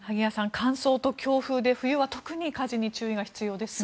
乾燥と強風で冬は特に火事に注意が必要ですね。